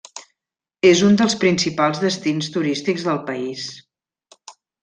És un dels principals destins turístics del país.